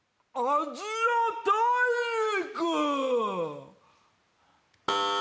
アジア大陸！